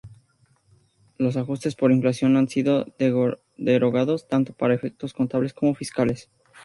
Los ajustes por inflación han sido derogados tanto para efectos contables como fiscales.